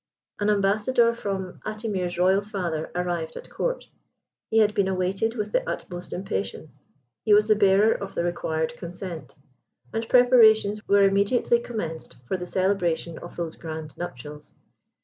An ambassador from Atimir's royal father arrived at Court. He had been awaited with the utmost impatience. He was the bearer of the required consent, and preparations were immediately commenced for the celebration of those grand nuptials.